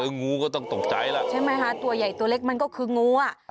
งูก็ต้องตกใจล่ะใช่ไหมคะตัวใหญ่ตัวเล็กมันก็คืองูอ่ะ